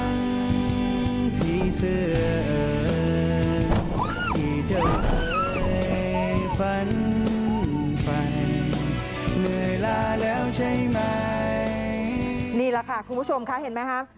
นี่แหละค่ะคุณผู้ชมค่ะเห็นไหมคะ